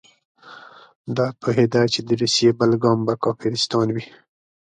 ده پوهېده چې د روسیې بل ګام به کافرستان وي.